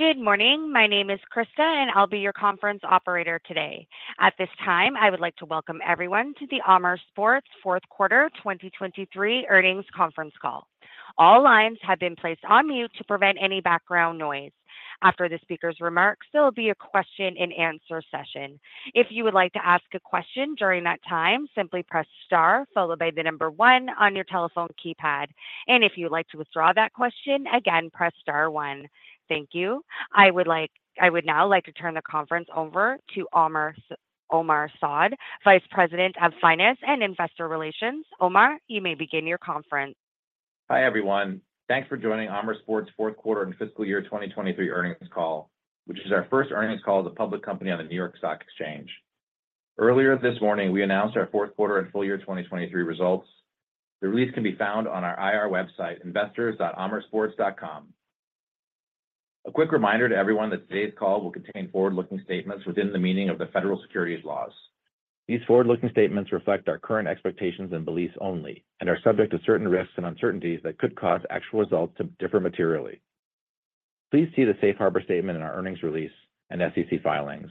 Good morning. My name is Krista, and I'll be your conference operator today. At this time, I would like to welcome everyone to the Amer Sports Fourth Quarter 2023 Earnings Conference Call. All lines have been placed on mute to prevent any background noise. After the speaker's remarks, there will be a question-and-answer session. If you would like to ask a question during that time, simply press star followed by the number one on your telephone keypad. If you'd like to withdraw that question, again, press star one. Thank you. I would now like to turn the conference over to Omar Saad, Vice President of Finance and Investor Relations. Omar, you may begin your conference. Hi, everyone. Thanks for joining Amer Sports fourth quarter and fiscal year 2023 earnings call, which is our first earnings call as a public company on the New York Stock Exchange. Earlier this morning, we announced our fourth quarter and full year 2023 results. The release can be found on our IR website, investors.amersports.com. A quick reminder to everyone that today's call will contain forward-looking statements within the meaning of the federal securities laws. These forward-looking statements reflect our current expectations and beliefs only and are subject to certain risks and uncertainties that could cause actual results to differ materially. Please see the safe harbor statement in our earnings release and SEC filings.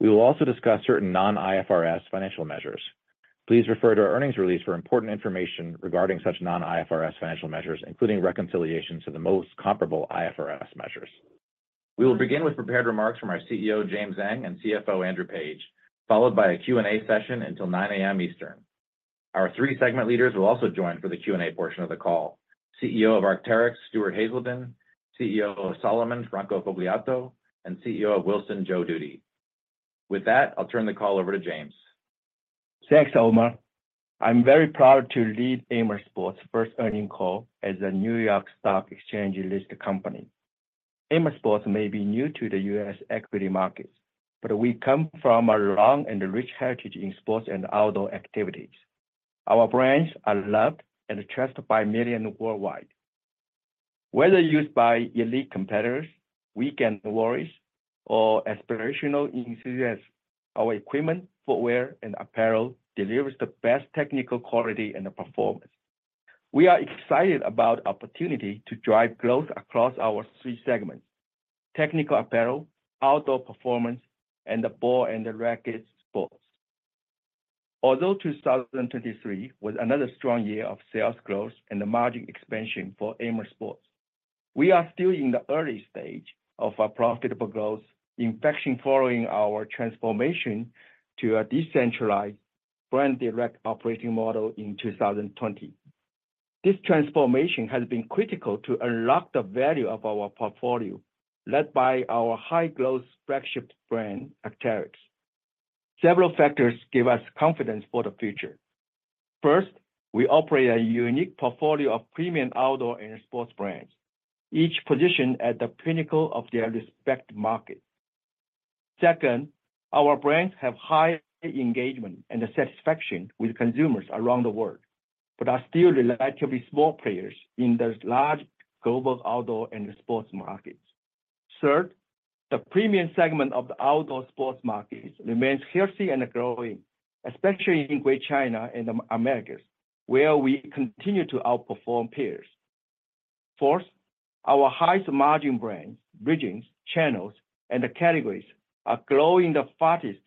We will also discuss certain non-IFRS financial measures. Please refer to our earnings release for important information regarding such non-IFRS financial measures, including reconciliations to the most comparable IFRS measures. We will begin with prepared remarks from our CEO, James Zheng, and CFO, Andrew Page, followed by a Q&A session until 9:00 A.M. Eastern. Our three segment leaders will also join for the Q&A portion of the call. CEO of Arc'teryx, Stuart Haselden, CEO of Salomon, Franco Fogliato, and CEO of Wilson, Joe Dudy. With that, I'll turn the call over to James. Thanks, Omar. I'm very proud to lead Amer Sports' first earnings call as a New York Stock Exchange-listed company. Amer Sports may be new to the U.S. equity markets, but we come from a long and rich heritage in sports and outdoor activities. Our brands are loved and trusted by millions worldwide. Whether used by elite competitors, weekend warriors, or aspirational enthusiasts, our equipment, footwear, and apparel delivers the best technical quality and performance. We are excited about the opportunity to drive growth across our three segments: technical apparel, outdoor performance, and the ball and the racquet sports. Although 2023 was another strong year of sales growth and margin expansion for Amer Sports, we are still in the early stage of a profitable growth, in fact, following our transformation to a decentralized brand direct operating model in 2020. This transformation has been critical to unlock the value of our portfolio, led by our high-growth flagship brand, Arc'teryx. Several factors give us confidence for the future. First, we operate a unique portfolio of premium outdoor and sports brands, each positioned at the pinnacle of their respective markets. Second, our brands have high engagement and satisfaction with consumers around the world, but are still relatively small players in the large global outdoor and sports markets. Third, the premium segment of the outdoor sports markets remains healthy and growing, especially in Greater China and the Americas, where we continue to outperform peers. Fourth, our highest margin brands, regions, channels, and categories are growing the fastest,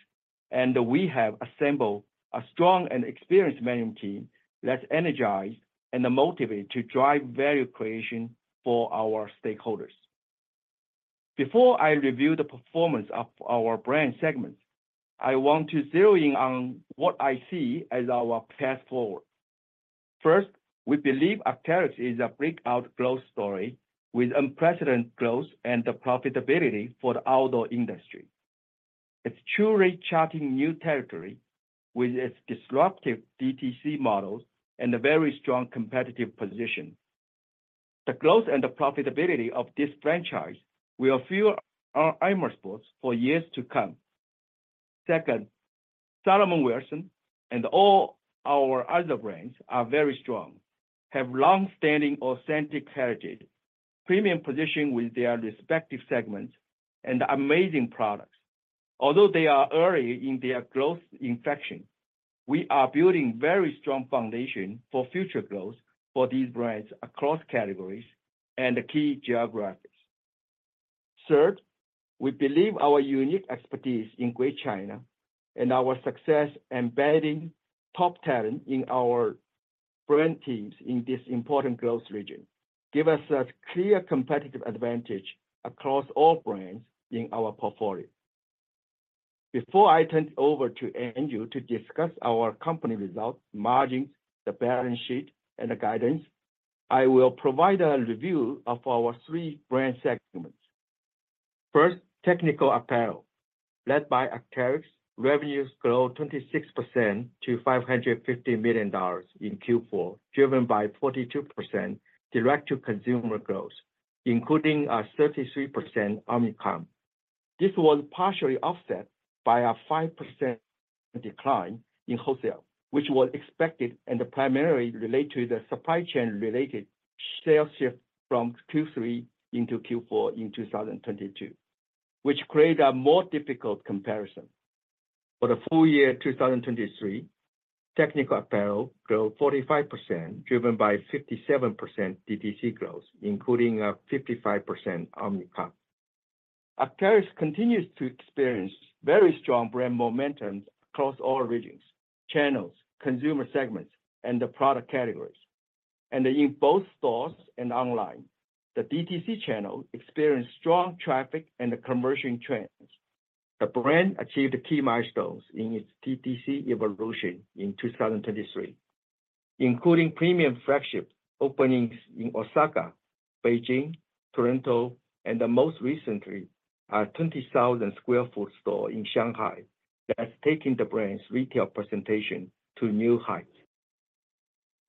and we have assembled a strong and experienced management team that's energized and motivated to drive value creation for our stakeholders. Before I review the performance of our brand segments, I want to zero in on what I see as our path forward. First, we believe Arc'teryx is a breakout growth story with unprecedented growth and profitability for the outdoor industry. It's truly charting new territory with its disruptive DTC models and a very strong competitive position. The growth and the profitability of this franchise will fuel our Amer Sports for years to come. Second, Salomon, Wilson and all our other brands are very strong, have long-standing authentic heritage, premium positioning with their respective segments and amazing products. Although they are early in their growth inflection, we are building a very strong foundation for future growth for these brands across categories and key geographies. Third, we believe our unique expertise in Greater China and our success embedding top talent in our brand teams in this important growth region, give us a clear competitive advantage across all brands in our portfolio. Before I turn it over to Andrew to discuss our company results, margins, the balance sheet, and the guidance, I will provide a review of our three brand segments. First, technical apparel, led by Arc'teryx. Revenues grew 26% to $550 million in Q4, driven by 42% direct-to-consumer growth, including a 33% omnicommerce. This was partially offset by a 5% decline in wholesale, which was expected and primarily related to the supply chain-related sales shift from Q3 into Q4 in 2022, which created a more difficult comparison. For the full year 2023, technical apparel grew 45%, driven by 57% DTC growth, including a 55% omnicommerce. Arc'teryx continues to experience very strong brand momentum across all regions, channels, consumer segments, and the product categories, and in both stores and online. The DTC channel experienced strong traffic and conversion trends. The brand achieved key milestones in its DTC evolution in 2023, including premium flagship openings in Osaka, Beijing, Toronto, and most recently, our 20,000-square-foot store in Shanghai that has taken the brand's retail presentation to new heights.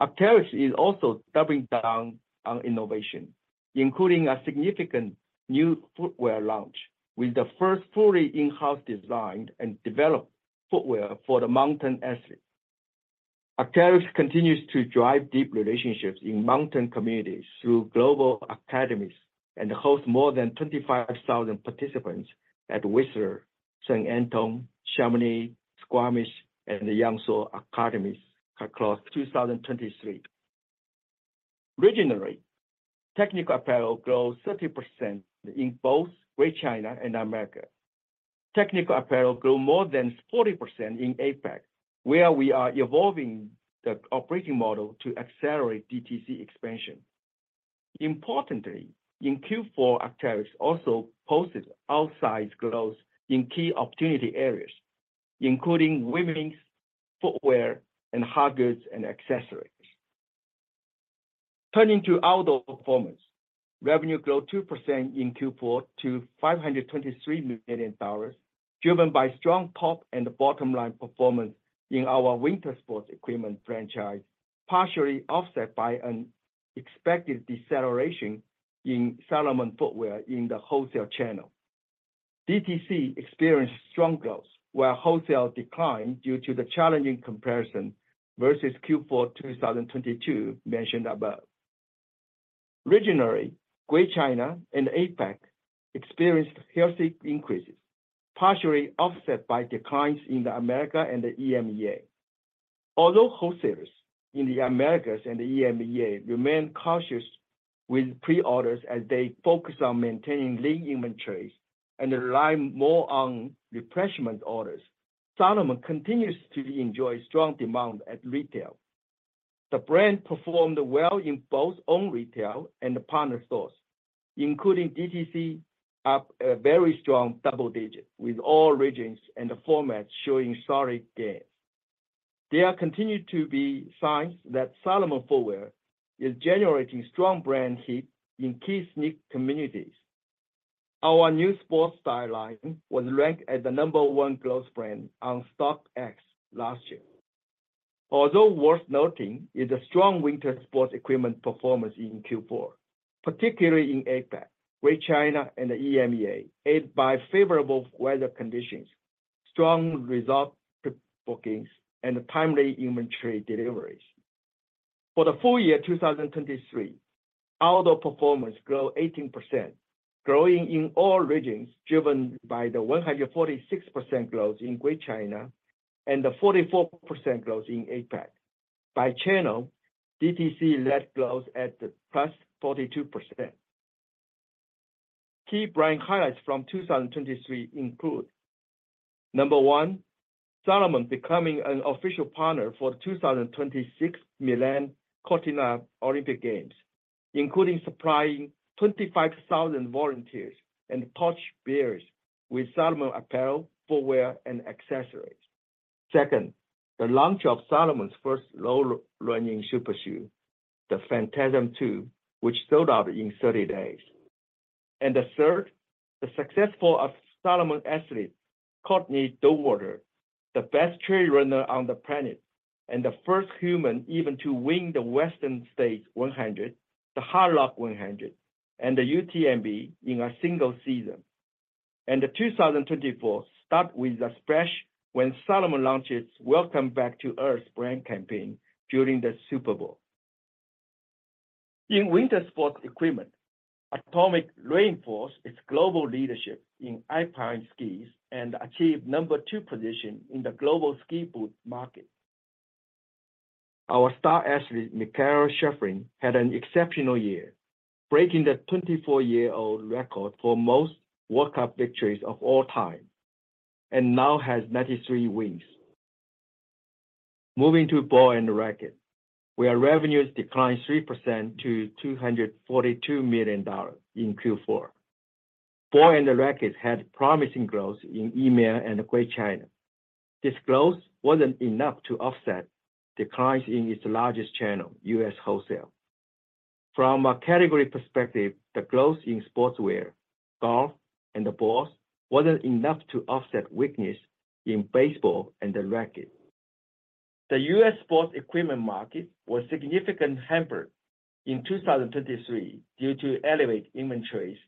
Arc'teryx is also doubling down on innovation, including a significant new footwear launch, with the first fully in-house designed and developed footwear for the mountain athlete. Arc'teryx continues to drive deep relationships in mountain communities through global academies, and hosts more than 25,000 participants at Whistler, Saint Anton, Chamonix, Squamish, and the Yangshuo Academies across 2023. Regionally, technical apparel grows 30% in both Greater China and Americas. Technical apparel grew more than 40% in APAC, where we are evolving the operating model to accelerate DTC expansion. Importantly, in Q4, Arc'teryx also posted outsized growth in key opportunity areas, including women's footwear and hardgoods and accessories. Turning to outdoor performance, revenue grew 2% in Q4 to $523 million, driven by strong top and bottom line performance in our winter sports equipment franchise, partially offset by an expected deceleration in Salomon footwear in the wholesale channel. DTC experienced strong growth, while wholesale declined due to the challenging comparison versus Q4 2022 mentioned above. Regionally, Greater China and APAC experienced healthy increases, partially offset by declines in the Americas and the EMEA. Although wholesalers in the Americas and the EMEA remain cautious with pre-orders as they focus on maintaining lean inventories and rely more on replenishment orders, Salomon continues to enjoy strong demand at retail. The brand performed well in both own retail and the partner stores, including DTC, up a very strong double digits, with all regions and the formats showing solid gains. There continues to be signs that Salomon footwear is generating strong brand heat in key sneaker communities. Our new Sportstyle line was ranked as the number one growth brand on StockX last year. Although worth noting is a strong winter sports equipment performance in Q4, particularly in APAC, Greater China and EMEA, aided by favorable weather conditions, strong resort bookings, and timely inventory deliveries. For the full year 2023, outdoor performance grew 18%, growing in all regions, driven by the 146% growth in Greater China and the 44% growth in APAC. By channel, DTC led growth at the +42%. Key brand highlights from 2023 include: 1, Salomon becoming an official partner for the 2026 Milan-Cortina Olympic Games, including supplying 25,000 volunteers and torchbearers with Salomon apparel, footwear, and accessories. Second, the launch of Salomon's first road running super shoe, the Phantasm 2, which sold out in 30 days. And the third, the success of Salomon athlete Courtney Dauwalter, the best trail runner on the planet and the first human even to win the Western States 100, the Hardrock 100, and the UTMB in a single season. The 2024 start with a splash when Salomon launches "Welcome Back to Earth" brand campaign during the Super Bowl. In winter sports equipment, Atomic reinforced its global leadership in alpine skis and achieved number two position in the global ski boot market. Our star athlete, Mikaela Shiffrin, had an exceptional year, breaking the 24-year-old record for most World Cup victories of all time, and now has 93 wins. Moving to Ball and Racquet, where revenues declined 3% to $242 million in Q4. Ball and Racquet had promising growth in EMEA and Greater China. This growth wasn't enough to offset declines in its largest channel, U.S. wholesale. From a category perspective, the growth in sportswear, golf, and the balls wasn't enough to offset weakness in baseball and the racquet. The U.S. sports equipment market was significantly hampered in 2023 due to elevated inventories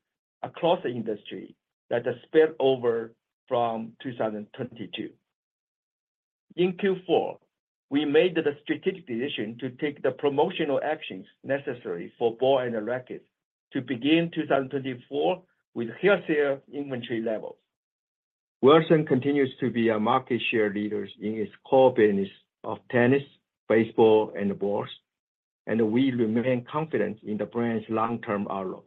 across the industry that has spilled over from 2022. In Q4, we made the strategic decision to take the promotional actions necessary for Ball and Racquet to begin 2024 with healthier inventory levels. Wilson continues to be a market share leader in its core business of tennis, baseball, and balls, and we remain confident in the brand's long-term outlook.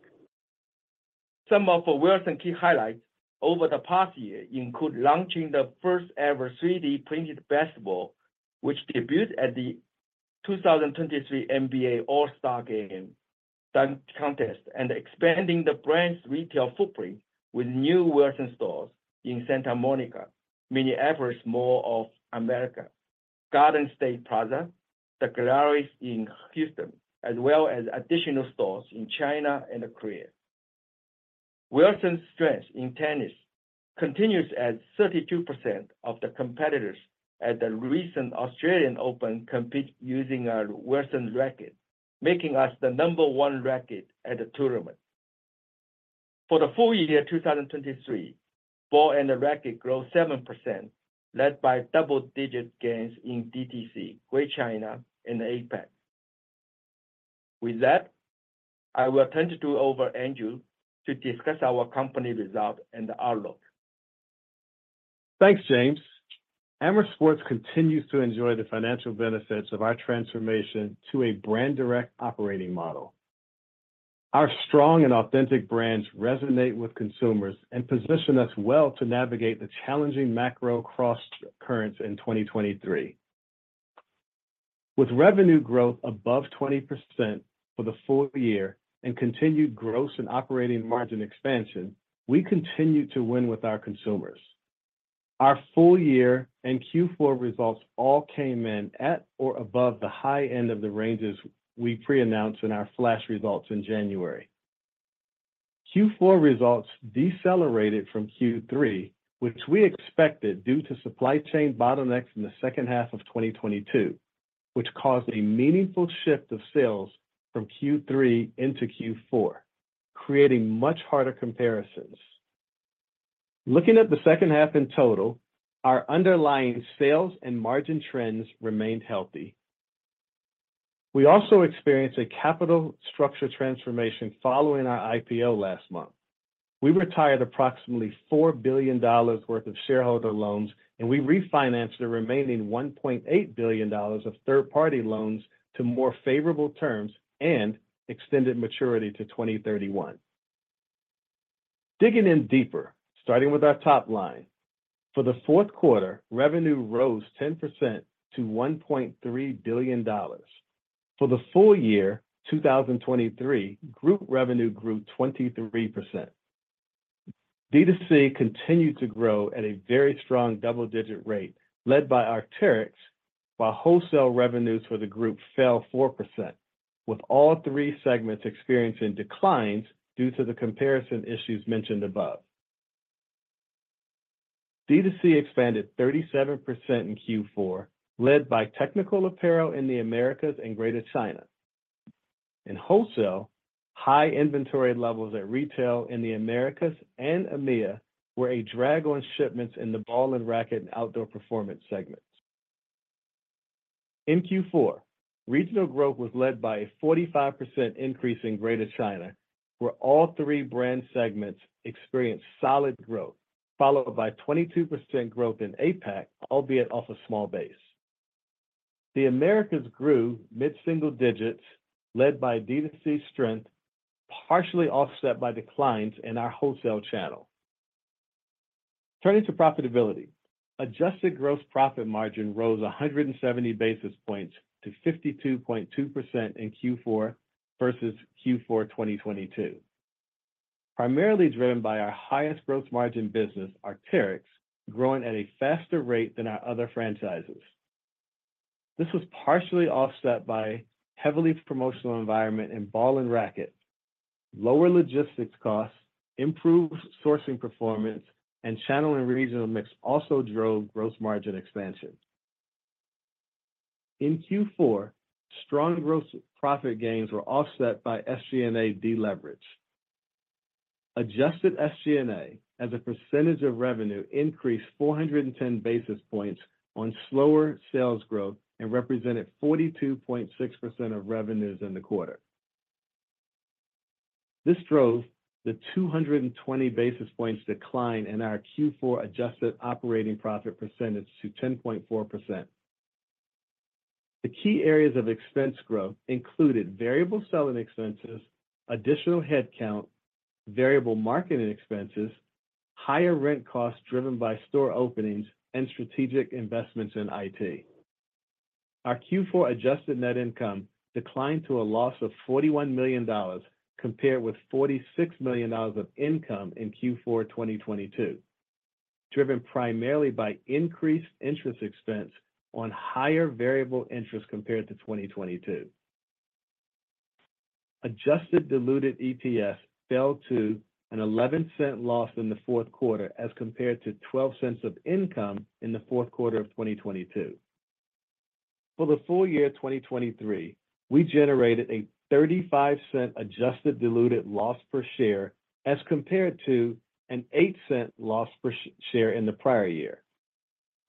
Some of Wilson's key highlights over the past year include launching the first-ever 3D printed baseball, which debuted at the 2023 NBA All-Star Game Dunk Contest, and expanding the brand's retail footprint with new Wilson stores in Santa Monica, Minneapolis Mall of America, Garden State Plaza, The Galleria in Houston, as well as additional stores in China and Korea. Wilson's strength in tennis continues as 32% of the competitors at the recent Australian Open compete using our Wilson racquet, making us the number one racquet at the tournament. For the full year 2023, Ball and Racquet grew 7%, led by double-digit gains in DTC, Greater China, and APAC. With that, I will turn it over to Andrew to discuss our company results and outlook. Thanks, James. Amer Sports continues to enjoy the financial benefits of our transformation to a brand direct operating model. Our strong and authentic brands resonate with consumers and position us well to navigate the challenging macro cross currents in 2023. With revenue growth above 20% for the full year and continued gross and operating margin expansion, we continue to win with our consumers. Our full year and Q4 results all came in at or above the high end of the ranges we pre-announced in our flash results in January. Q4 results decelerated from Q3, which we expected due to supply chain bottlenecks in the second half of 2022, which caused a meaningful shift of sales from Q3 into Q4, creating much harder comparisons. Looking at the second half in total, our underlying sales and margin trends remained healthy. We also experienced a capital structure transformation following our IPO last month. We retired approximately $4 billion worth of shareholder loans, and we refinanced the remaining $1.8 billion of third-party loans to more favorable terms and extended maturity to 2031. Digging in deeper, starting with our top line. For the fourth quarter, revenue rose 10% to $1.3 billion. For the full year 2023, group revenue grew 23%. DTC continued to grow at a very strong double-digit rate, led by Arc'teryx, while wholesale revenues for the group fell 4%, with all three segments experiencing declines due to the comparison issues mentioned above. DTC expanded 37% in Q4, led by Technical Apparel in the Americas and Greater China. In wholesale, high inventory levels at retail in the Americas and EMEA were a drag on shipments in the Ball and Racquet and Outdoor Performance segments. In Q4, regional growth was led by a 45% increase in Greater China, where all three brand segments experienced solid growth, followed by 22% growth in APAC, albeit off a small base. The Americas grew mid-single digits, led by DTC strength, partially offset by declines in our wholesale channel. Turning to profitability. Adjusted gross profit margin rose 170 basis points to 52.2% in Q4 versus Q4 2022, primarily driven by our highest gross margin business, Arc'teryx, growing at a faster rate than our other franchises. This was partially offset by heavily promotional environment in Ball and Racquet. Lower logistics costs, improved sourcing performance, and channel and regional mix also drove gross margin expansion. In Q4, strong gross profit gains were offset by SG&A deleverage. Adjusted SG&A, as a percentage of revenue, increased 410 basis points on slower sales growth and represented 42.6% of revenues in the quarter. This drove the 220 basis points decline in our Q4 adjusted operating profit percentage to 10.4%. The key areas of expense growth included variable selling expenses, additional headcount, variable marketing expenses, higher rent costs driven by store openings, and strategic investments in IT. Our Q4 adjusted net income declined to a loss of $41 million, compared with $46 million of income in Q4 2022, driven primarily by increased interest expense on higher variable interest compared to 2022. Adjusted diluted EPS fell to a $0.11 loss in the fourth quarter, as compared to 12 cents of income in the fourth quarter of 2022. For the full year 2023, we generated a 35-cent adjusted diluted loss per share, as compared to an 8-cent loss per share in the prior year.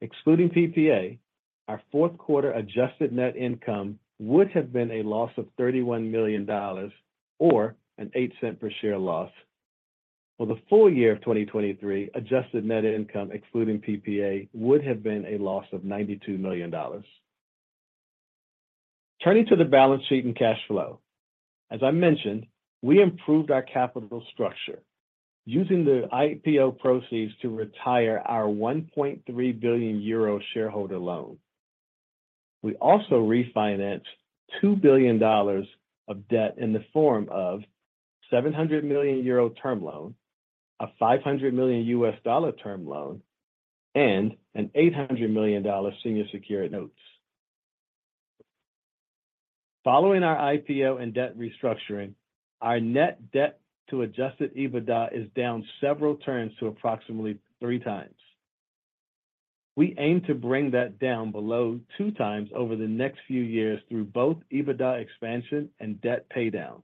Excluding PPA, our fourth quarter adjusted net income would have been a loss of $31 million or an 8-cent per share loss. For the full year of 2023, adjusted net income, excluding PPA, would have been a loss of $92 million. Turning to the balance sheet and cash flow. As I mentioned, we improved our capital structure using the IPO proceeds to retire our 1.3 billion euro shareholder loan. We also refinanced $2 billion of debt in the form of 700 million euro term loan, a $500 million US dollar term loan, and an $800 million senior secured notes. Following our IPO and debt restructuring, our Net Debt to Adjusted EBITDA is down several turns to approximately 3x. We aim to bring that down below 2x over the next few years through both EBITDA expansion and debt paydown.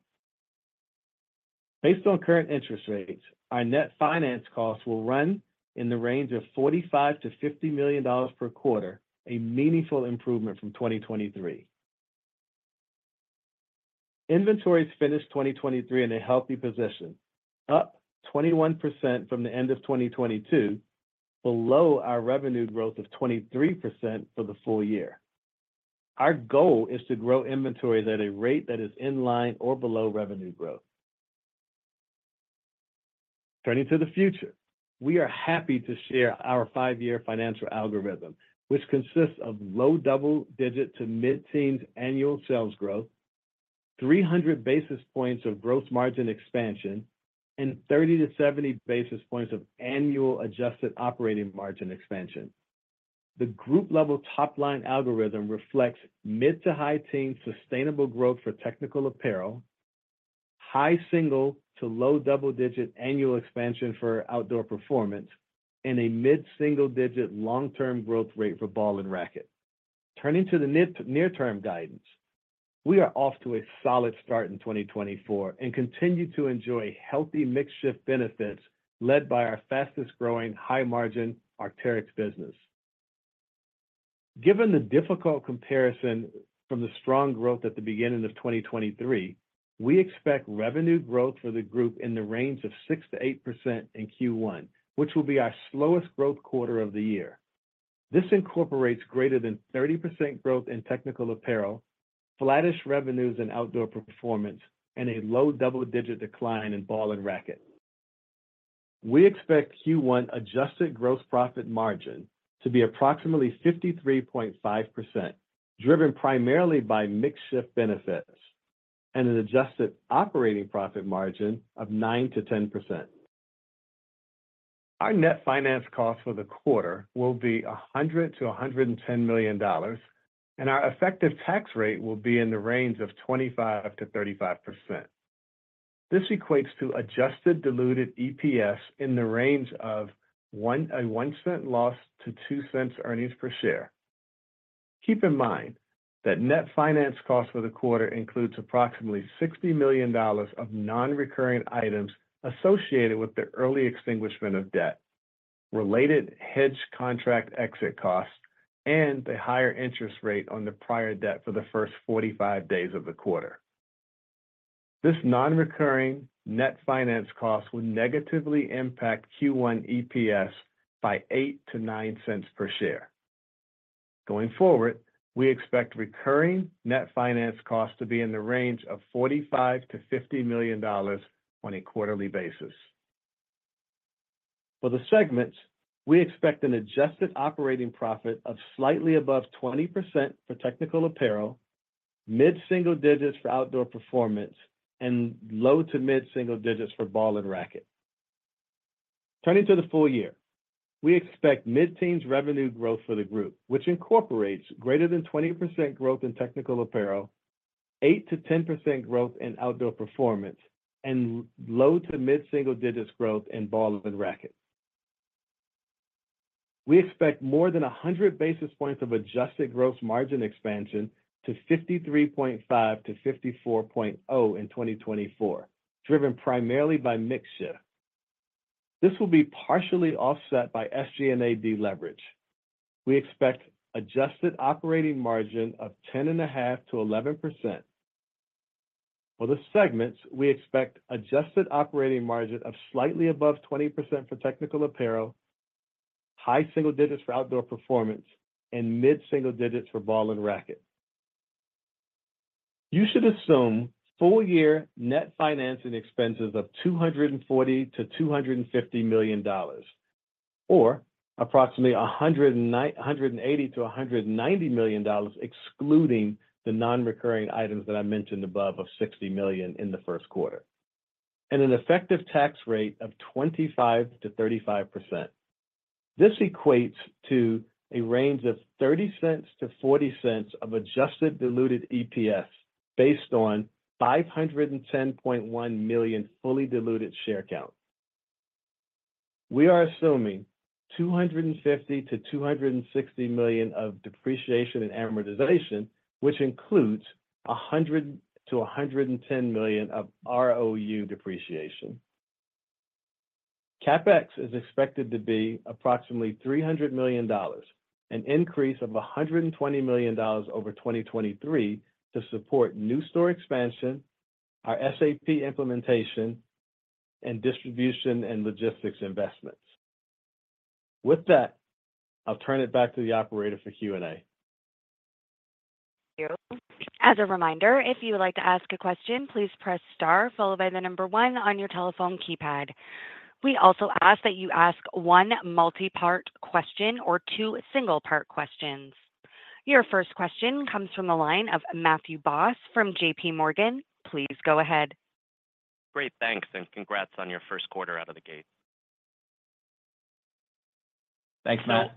Based on current interest rates, our net finance costs will run in the range of $45 million-$50 million per quarter, a meaningful improvement from 2023. Inventories finished 2023 in a healthy position, up 21% from the end of 2022, below our revenue growth of 23% for the full year. Our goal is to grow inventory at a rate that is in line or below revenue growth. Turning to the future, we are happy to share our five year financial algorithm, which consists of low double-digit to mid-teens annual sales growth, 300 basis points of gross margin expansion, and 30-70 basis points of annual adjusted operating margin expansion. The group level top-line algorithm reflects mid- to high-teens sustainable growth for technical apparel, high single- to low double-digit annual expansion for outdoor performance, and a mid-single-digit long-term growth rate for Ball and Racquet. Turning to the near-term guidance, we are off to a solid start in 2024 and continue to enjoy healthy mix shift benefits led by our fastest growing high-margin Arc'teryx business. Given the difficult comparison from the strong growth at the beginning of 2023, we expect revenue growth for the group in the range of 6%-8% in Q1, which will be our slowest growth quarter of the year. This incorporates greater than 30% growth in technical apparel, flattish revenues in outdoor performance, and a low double-digit decline in Ball and Racquet. We expect Q1 adjusted gross profit margin to be approximately 53.5%, driven primarily by mix shift benefits and an adjusted operating profit margin of 9%-10%. Our net finance cost for the quarter will be $100 million-$110 million, and our effective tax rate will be in the range of 25%-35%. This equates to Adjusted Diluted EPS in the range of a $0.01 loss to $0.02 earnings per share. Keep in mind that net finance cost for the quarter includes approximately $60 million of non-recurring items associated with the early extinguishment of debt, related hedge contract exit costs, and the higher interest rate on the prior debt for the first 45 days of the quarter. This non-recurring net finance cost will negatively impact Q1 EPS by $0.08-$0.09 per share. Going forward, we expect recurring net finance costs to be in the range of $45 million-$50 million on a quarterly basis. For the segments, we expect an adjusted operating profit of slightly above 20% for technical apparel, mid-single digits for outdoor performance, and low to mid-single digits for Ball and Racquet. Turning to the full year, we expect mid-teens revenue growth for the group, which incorporates greater than 20% growth in technical apparel, 8%-10% growth in outdoor performance, and low- to mid-single digits growth in Ball and Racquet. We expect more than 100 basis points of adjusted gross margin expansion to 53.5-54.0 in 2024, driven primarily by mix shift. This will be partially offset by SG&A deleverage. We expect adjusted operating margin of 10.5%-11%. For the segments, we expect adjusted operating margin of slightly above 20% for technical apparel, high single digits for outdoor performance, and mid-single digits for Ball and Racquet. You should assume full year net financing expenses of $240 million-$250 million, or approximately $180 million-$190 million, excluding the non-recurring items that I mentioned above of $60 million in the first quarter, and an effective tax rate of 25%-35%. This equates to a range of $0.30-$0.40 of adjusted diluted EPS based on 510.1 million fully diluted share count. We are assuming $250 million-$260 million of depreciation and amortization, which includes $100 million-$110 million of ROU depreciation. CapEx is expected to be approximately $300 million, an increase of $120 million over 2023 to support new store expansion, our SAP implementation, and distribution and logistics investments. With that, I'll turn it back to the operator for Q&A. Thank you. As a reminder, if you would like to ask a question, please press star followed by the number one on your telephone keypad. We also ask that you ask one multi-part question or two single-part questions. Your first question comes from the line of Matthew Boss from JPMorgan. Please go ahead. Great, thanks, and congrats on your first quarter out of the gate. Thanks, Matt.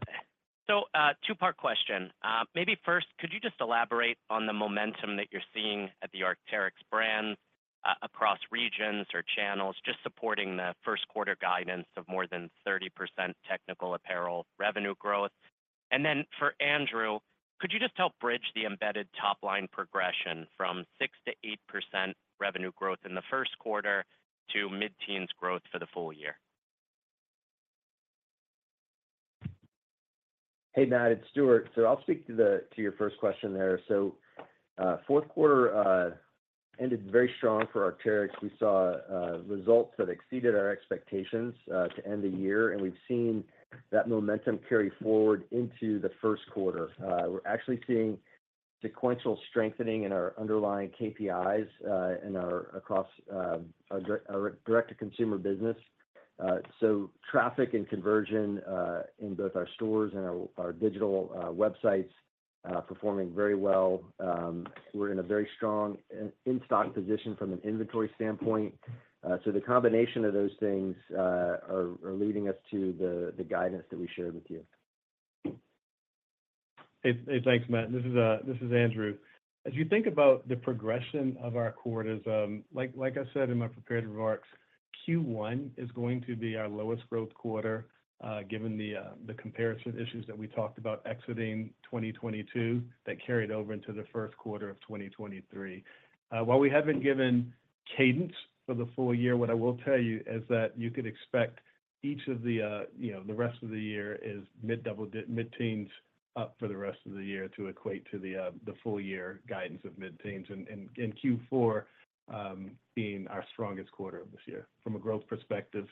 So, two-part question. Maybe first, could you just elaborate on the momentum that you're seeing at the Arc'teryx brand, across regions or channels, just supporting the first quarter guidance of more than 30% technical apparel revenue growth? And then for Andrew, could you just help bridge the embedded top line progression from 6%-8% revenue growth in the first quarter to mid-teens growth for the full year? Hey, Matt, it's Stuart. So I'll speak to your first question there. Fourth quarter ended very strong for Arc'teryx. We saw results that exceeded our expectations to end the year, and we've seen that momentum carry forward into the first quarter. We're actually seeing sequential strengthening in our underlying KPIs across our direct-to-consumer business. So traffic and conversion in both our stores and our digital websites performing very well. We're in a very strong in-stock position from an inventory standpoint. So the combination of those things are leading us to the guidance that we shared with you. Hey, hey. Thanks, Matt. This is Andrew. As you think about the progression of our quarters, like I said in my prepared remarks, Q1 is going to be our lowest growth quarter, given the comparison issues that we talked about exiting 2022, that carried over into the first quarter of 2023. While we haven't given cadence for the full year, what I will tell you is that you could expect each of the, you know, the rest of the year is mid-teens up for the rest of the year to equate to the full year guidance of mid-teens. And Q4, being our strongest quarter of this year from a growth perspective,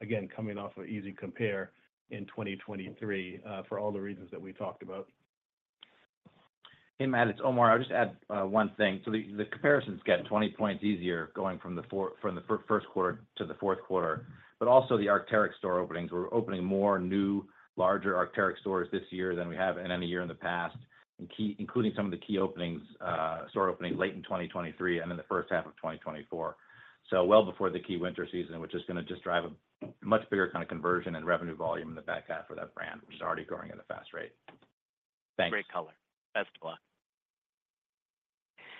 again, coming off an easy compare in 2023, for all the reasons that we talked about. Hey, Matt, it's Omar. I'll just add one thing. So the comparisons get 20 points easier going from the first quarter to the fourth quarter, but also the Arc'teryx store openings. We're opening more new, larger Arc'teryx stores this year than we have in any year in the past, and including some of the key openings, store openings late in 2023 and in the first half of 2024. So well before the key winter season, which is gonna just drive a much bigger kind of conversion and revenue volume in the back half of that brand, which is already growing at a fast rate. Thanks. Great color. Best of luck.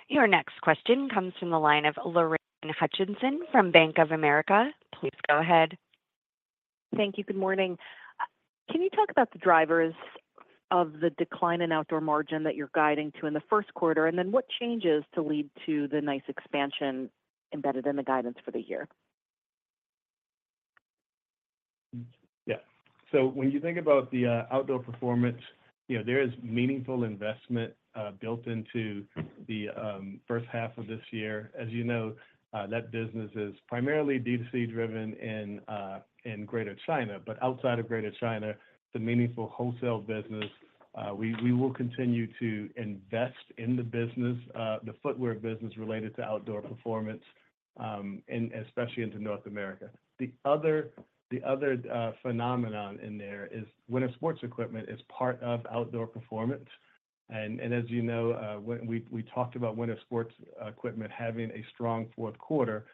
Your next question comes from the line of Lorraine Hutchinson from Bank of America. Please go ahead. Thank you. Good morning. Can you talk about the drivers of the decline in outdoor margin that you're guiding to in the first quarter, and then what changes to lead to the nice expansion embedded in the guidance for the year? Yeah. So when you think about the outdoor performance, you know, there is meaningful investment built into the first half of this year. As you know, that business is primarily DTC driven in Greater China, but outside of Greater China, it's a meaningful wholesale business. We will continue to invest in the business, the footwear business related to outdoor performance, and especially into North America. The other phenomenon in there is winter sports equipment is part of outdoor performance. And as you know, when we talked about winter sports equipment having a strong fourth quarter,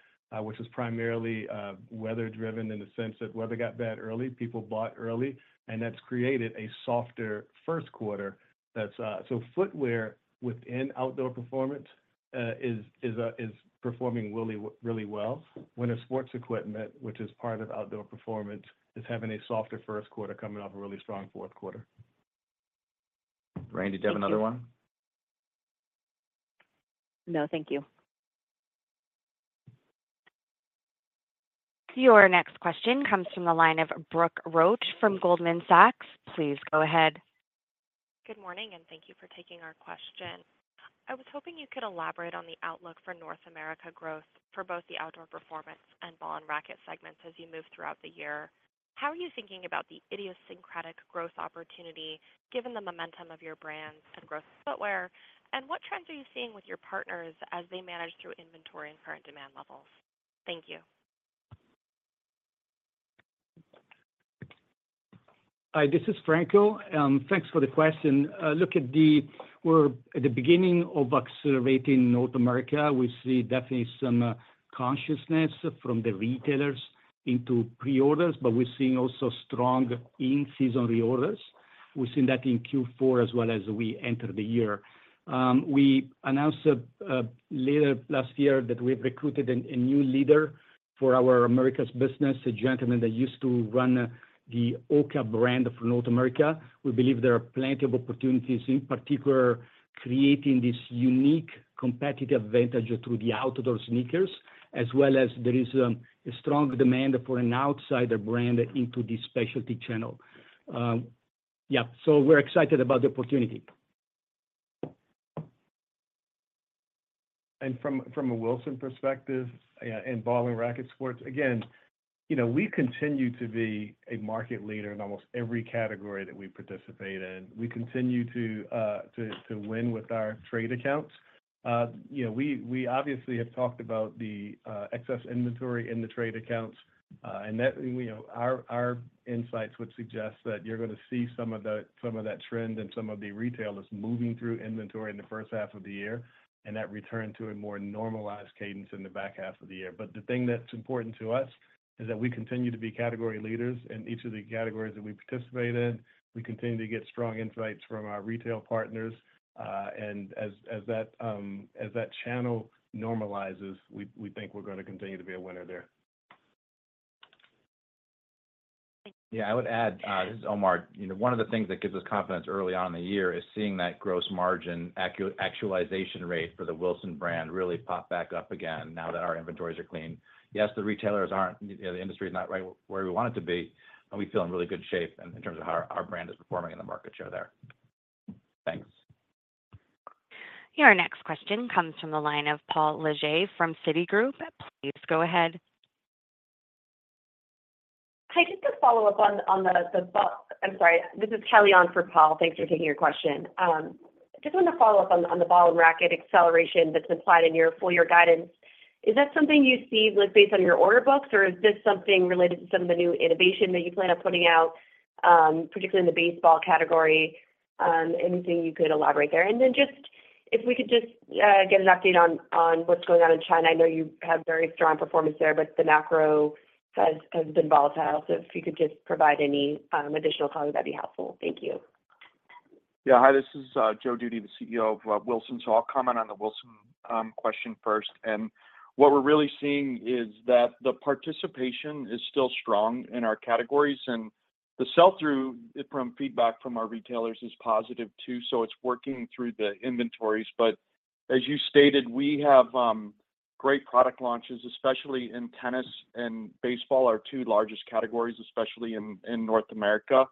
which is primarily weather driven in the sense that weather got bad early, people bought early, and that's created a softer first quarter. That's... So footwear within outdoor performance is performing really, really well. Winter sports equipment, which is part of outdoor performance, is having a softer first quarter, coming off a really strong fourth quarter. Lorraine, did you have another one? No, thank you. Your next question comes from the line of Brooke Roach from Goldman Sachs. Please go ahead. Good morning, and thank you for taking our question. I was hoping you could elaborate on the outlook for North America growth for both the outdoor performance and Ball and Racquet segments as you move throughout the year. How are you thinking about the idiosyncratic growth opportunity, given the momentum of your brands and growth in footwear? And what trends are you seeing with your partners as they manage through inventory and current demand levels? Thank you. Hi, this is Franco. Thanks for the question. Look, we're at the beginning of accelerating North America. We see definitely some consciousness from the retailers into pre-orders, but we're seeing also strong in-season reorders. We've seen that in Q4 as well as we enter the year. We announced later last year that we've recruited a new leader for our Americas business, a gentleman that used to run the HOKA brand for North America. We believe there are plenty of opportunities, in particular, creating this unique competitive advantage through the outdoor sneakers, as well as there is a strong demand for an outdoor brand into the specialty channel. Yeah, so we're excited about the opportunity. From a Wilson perspective, in Ball and Racquet sports, again, you know, we continue to be a market leader in almost every category that we participate in. We continue to win with our trade accounts. You know, we obviously have talked about the excess inventory in the trade accounts, and that, you know, our insights would suggest that you're gonna see some of that trend and some of the retailers moving through inventory in the first half of the year, and that return to a more normalized cadence in the back half of the year. But the thing that's important to us is that we continue to be category leaders in each of the categories that we participate in. We continue to get strong insights from our retail partners, and as that channel normalizes, we think we're gonna continue to be a winner there. Yeah, I would add, this is Omar. You know, one of the things that gives us confidence early on in the year is seeing that gross margin actualization rate for the Wilson brand really pop back up again now that our inventories are clean. Yes, the retailers aren't, you know, the industry is not right where we want it to be, but we feel in really good shape in terms of how our brand is performing in the market share there. Thanks. Your next question comes from the line of Paul Lejuez from Citigroup. Please go ahead. Hi, just a follow-up on the. I'm sorry. This is Kelly on for Paul. Thanks for taking your question. Just wanted to follow up on the Ball and Racquet acceleration that's implied in your full year guidance. Is that something you see, like, based on your order books, or is this something related to some of the new innovation that you plan on putting out, particularly in the baseball category? Anything you could elaborate there. And then just, if we could just, get an update on what's going on in China. I know you have very strong performance there, but the macro has been volatile. So if you could just provide any additional color, that'd be helpful. Thank you. Yeah. Hi, this is Joe Dudy, the CEO of Wilson, so I'll comment on the Wilson question first. What we're really seeing is that the participation is still strong in our categories, and the sell-through from feedback from our retailers is positive too, so it's working through the inventories. But as you stated, we have great product launches, especially in tennis and baseball, our two largest categories, especially in North America.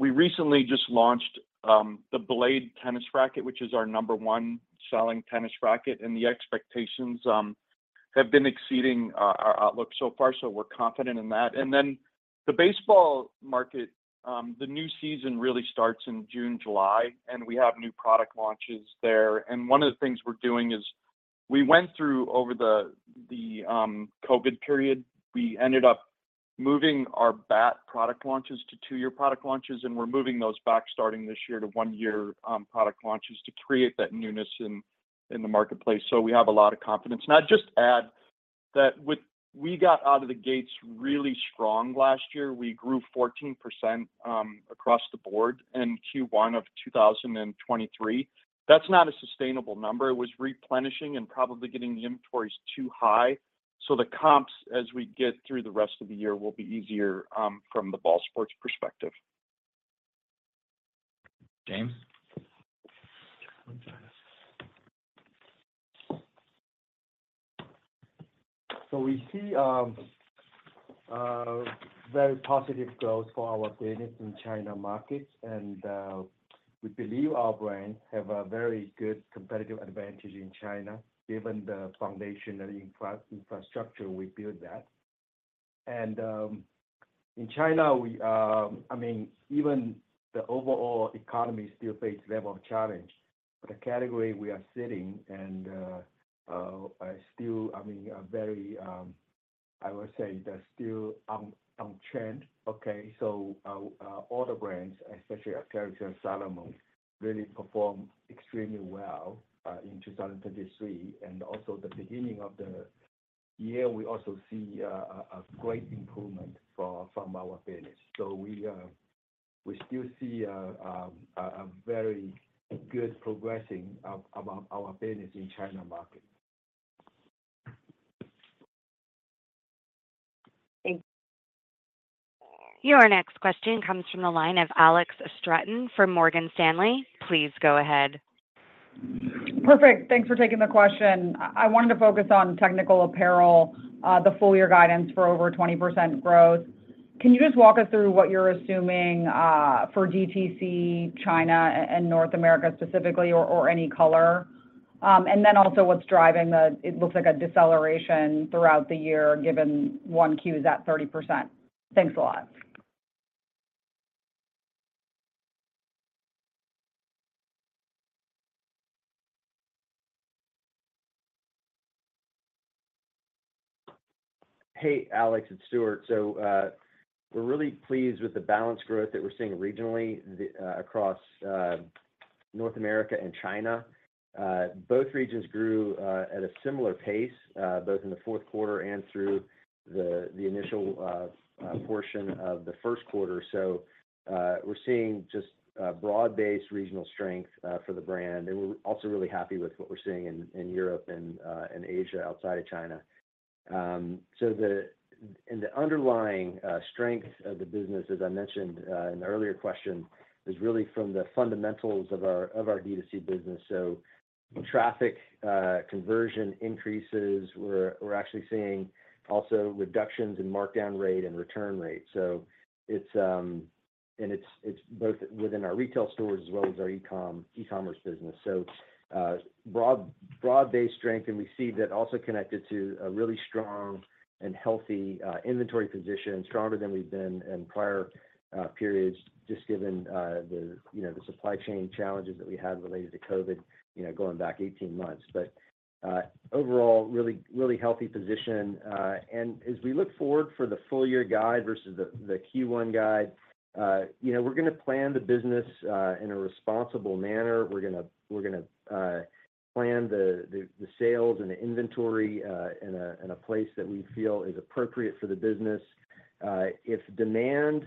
We recently just launched the Blade tennis racquet, which is our number one selling tennis racquet, and the expectations have been exceeding our outlook so far, so we're confident in that. Then the baseball market, the new season really starts in June, July, and we have new product launches there. One of the things we're doing is we went through over the COVID period, we ended up moving our bat product launches to 2-year product launches, and we're moving those back, starting this year, to 1-year product launches to create that newness in the marketplace. So we have a lot of confidence. And I'd just add that with we got out of the gates really strong last year. We grew 14% across the board in Q1 of 2023. That's not a sustainable number. It was replenishing and probably getting the inventories too high, so the comps, as we get through the rest of the year, will be easier from the ball sports perspective. James? So we see very positive growth for our business in China markets, and we believe our brands have a very good competitive advantage in China, given the foundational infrastructure we built there. And in China, I mean, even the overall economy still faces a level of challenge, but the category we are sitting in, and still, I mean, are very. I would say they're still on trend. Okay, so our brands, especially Arc'teryx, Salomon, really performed extremely well in 2023. And also the beginning of the year, we also see a great improvement from our business. So we still see a very good progression of our business in China market. Thank you. Your next question comes from the line of Alex Straton from Morgan Stanley. Please go ahead. Perfect. Thanks for taking the question. I wanted to focus on technical apparel, the full year guidance for over 20% growth. Can you just walk us through what you're assuming, for DTC, China, and North America specifically, or any color? And then also what's driving the, it looks like a deceleration throughout the year, given 1Q is at 30%. Thanks a lot. Hey, Alex, it's Stuart. So, we're really pleased with the balanced growth that we're seeing regionally across North America and China. Both regions grew at a similar pace both in the fourth quarter and through the initial portion of the first quarter. So, we're seeing just broad-based regional strength for the brand. And we're also really happy with what we're seeing in Europe and in Asia, outside of China. So the underlying strength of the business, as I mentioned in the earlier question, is really from the fundamentals of our DTC business. So traffic conversion increases. We're actually seeing also reductions in markdown rate and return rate. So it's both within our retail stores as well as our e-commerce business. So, broad, broad-based strength, and we see that also connected to a really strong and healthy, inventory position, stronger than we've been in prior, periods, just given, the, you know, the supply chain challenges that we had related to COVID, you know, going back 18 months. But, overall, really, really healthy position. And as we look forward for the full year guide versus the, the Q1 guide, you know, we're gonna plan the business, in a responsible manner. We're gonna, we're gonna, plan the, the, the sales and the inventory, in a, in a place that we feel is appropriate for the business. If demand,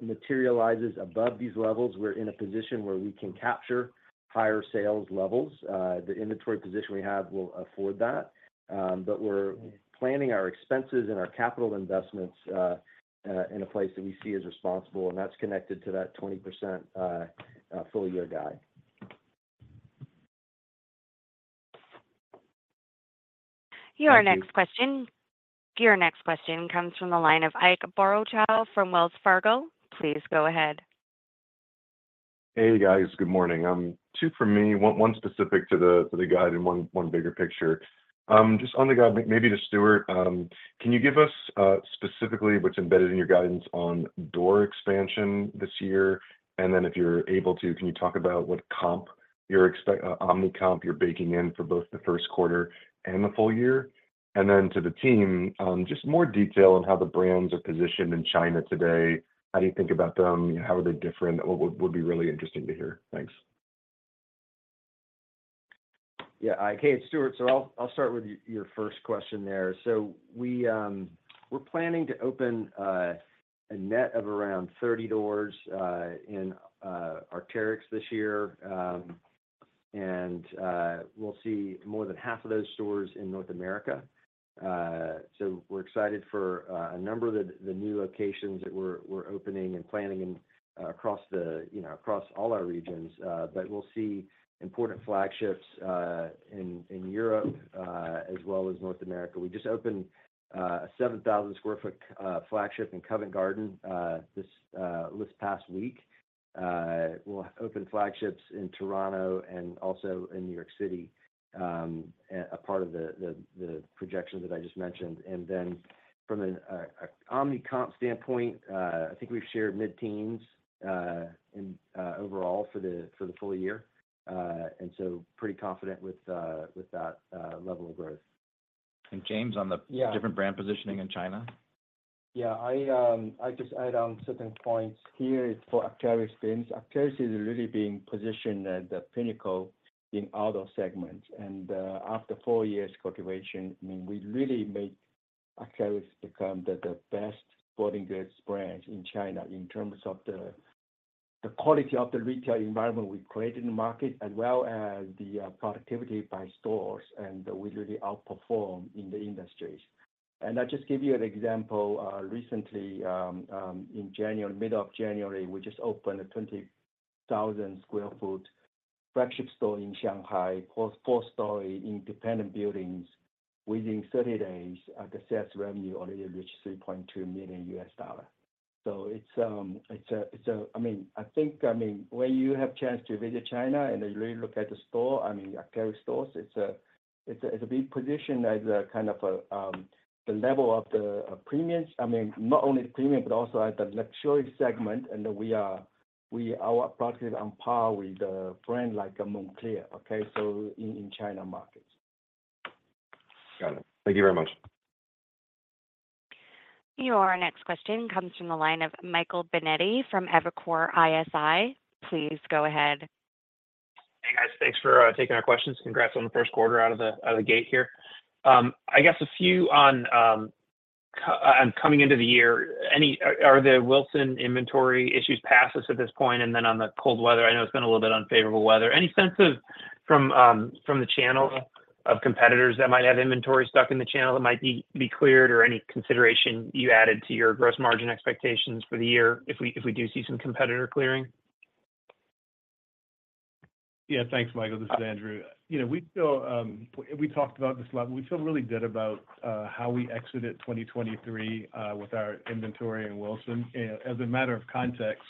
materializes above these levels, we're in a position where we can capture higher sales levels. The inventory position we have will afford that. But we're planning our expenses and our capital investments in a place that we see as responsible, and that's connected to that 20% full-year guide. Your next question? Thank you. Your next question comes from the line of Ike Borochow from Wells Fargo. Please go ahead. Hey, guys. Good morning. Two for me, one specific to the guide and one bigger picture. Just on the guide, maybe to Stuart, can you give us specifically what's embedded in your guidance on door expansion this year? And then, if you're able to, can you talk about what comp you're expecting, omni comp you're baking in for both the first quarter and the full year? And then to the team, just more detail on how the brands are positioned in China today. How do you think about them? How are they different? What would be really interesting to hear. Thanks. Yeah, Ike, hey, it's Stuart. So I'll start with your first question there. So we're planning to open a net of around 30 doors in Arc'teryx this year. And we'll see more than half of those stores in North America. So we're excited for a number of the new locations that we're opening and planning in, you know, across all our regions. But we'll see important flagships in Europe as well as North America. We just opened a 7,000 sq ft flagship in Covent Garden this past week. We'll open flagships in Toronto and also in New York City, a part of the projection that I just mentioned. Then from an Omnicommerce standpoint, I think we've shared mid-teens in overall for the full year. So pretty confident with that level of growth. And James, on the Yeah different brand positioning in China. Yeah, I just add on certain points here for Arc'teryx brands. Arc'teryx is really being positioned at the pinnacle in outdoor segments. And after four years cultivation, I mean, we really make Arc'teryx become the best sporting goods brand in China in terms of the quality of the retail environment we created in the market, as well as the productivity by stores, and we really outperform in the industries. And I just give you an example. Recently, in January, mid of January, we just opened a 20,000 sq ft flagship store in Shanghai, four-story independent buildings. Within 30 days, the sales revenue already reached $3.2 million. It's, I mean, I think, I mean, when you have chance to visit China and then really look at the store, I mean, Arc'teryx stores, it's a big position as a kind of, the level of the, premiums. I mean, not only premium, but also at the luxury segment, and our product is on par with a brand like Moncler, okay? So in China markets. Got it. Thank you very much. Your next question comes from the line of Michael Binetti from Evercore ISI. Please go ahead. Hey, guys. Thanks for taking our questions. Congrats on the first quarter out of the gate here. I guess a few on coming into the year, any. Are the Wilson inventory issues past us at this point? And then on the cold weather, I know it's been a little bit unfavorable weather. Any sense of, from the channel of competitors that might have inventory stuck in the channel that might be cleared, or any consideration you added to your gross margin expectations for the year, if we do see some competitor clearing? Yeah. Thanks, Michael. This is Andrew. You know, we feel we talked about this a lot, and we feel really good about how we exited 2023 with our inventory in Wilson. As a matter of context-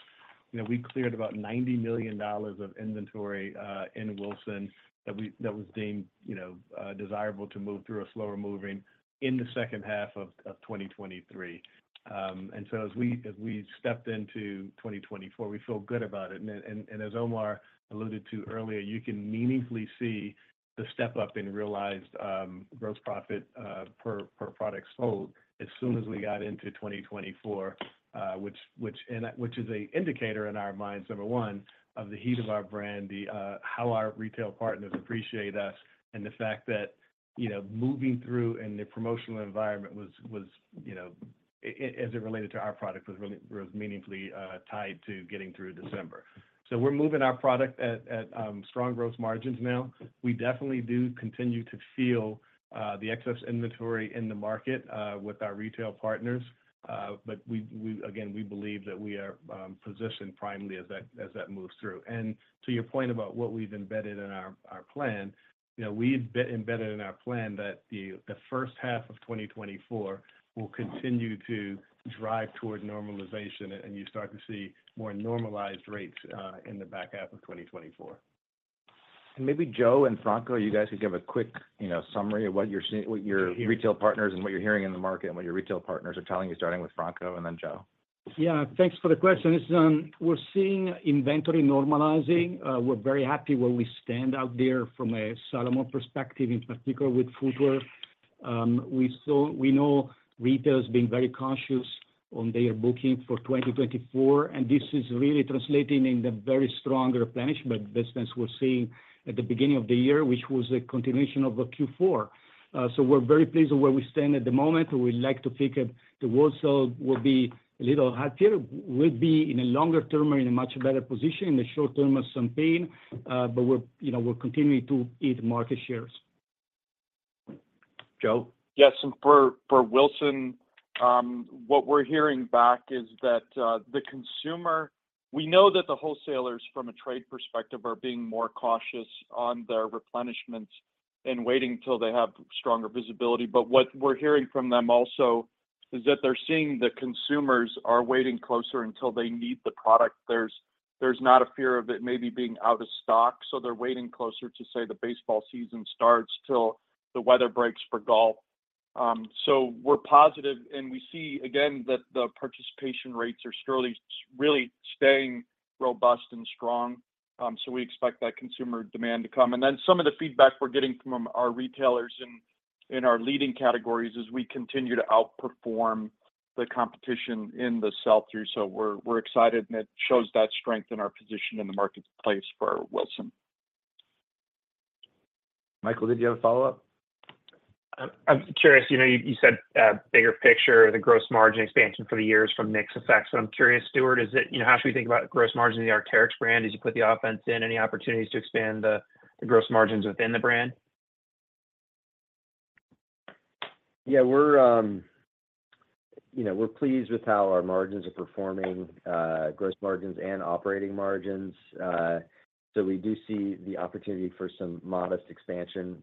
you know, we cleared about $90 million of inventory in Wilson that was deemed, you know, desirable to move through a slower moving in the second half of 2023. And so as we stepped into 2024, we feel good about it. And as Omar alluded to earlier, you can meaningfully see the step-up in realized gross profit per product sold as soon as we got into 2024. Which is an indicator in our minds, number one, of the heat of our brand, how our retail partners appreciate us, and the fact that, you know, moving through in the promotional environment was, you know, as it related to our product, was really meaningfully tied to getting through December. So we're moving our product at strong growth margins now. We definitely do continue to feel the excess inventory in the market with our retail partners. But again, we believe that we are positioned primely as that moves through. And to your point about what we've embedded in our plan, you know, we've embedded in our plan that the first half of 2024 will continue to drive toward normalization, and you start to see more normalized rates in the back half of 2024. Maybe Joe and Franco, you guys could give a quick, you know, summary of what you're seeing, what your retail partners and what you're hearing in the market, and what your retail partners are telling you, starting with Franco and then Joe. Yeah, thanks for the question. It's we're seeing inventory normalizing. We're very happy where we stand out there from a Salomon perspective, in particular with footwear. We know retailers being very conscious on their booking for 2024, and this is really translating in the very strong replenishment business we're seeing at the beginning of the year, which was a continuation of the Q4. So we're very pleased with where we stand at the moment. We like to think that the wholesale will be a little healthier, will be, in a longer term, in a much better position. In the short term, some pain, but we're, you know, we're continuing to eat market shares. Joe? Yes, and for Wilson, what we're hearing back is that the consumer we know that the wholesalers, from a trade perspective, are being more cautious on their replenishments and waiting till they have stronger visibility. But what we're hearing from them also is that they're seeing the consumers are waiting closer until they need the product. There's not a fear of it maybe being out of stock, so they're waiting closer to, say, the baseball season starts, till the weather breaks for golf. So we're positive, and we see again that the participation rates are surely really staying robust and strong. So we expect that consumer demand to come. And then some of the feedback we're getting from our retailers in our leading categories is we continue to outperform the competition in the sell-through. So we're excited, and it shows that strength in our position in the marketplace for Wilson. Michael, did you have a follow-up? I'm curious, you know, you said, bigger picture, the gross margin expansion for the years from mix effects. So I'm curious, Stuart, is it. You know, how should we think about gross margin in the Arc'teryx brand as you put the offense in? Any opportunities to expand the, the gross margins within the brand? Yeah, we're, you know, we're pleased with how our margins are performing, gross margins and operating margins. So we do see the opportunity for some modest expansion,